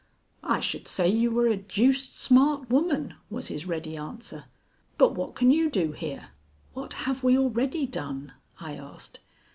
"I should say you were a deuced smart woman," was his ready answer. "But what can you do here?" "What have we already done?" I asked.